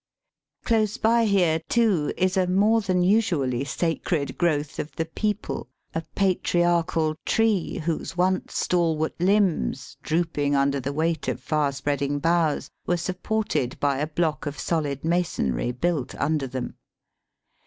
Close by here, too, is a more than usually sacred growth of the peepul, a patriarchal tree, whose once stalwart Umbs, drooping under the weight Digitized by VjOOQIC 212 EAST BY WEST. of far spreading boughs, were supported by a block of solid masonry built under them.